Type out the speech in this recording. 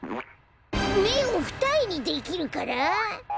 めをふたえにできるから？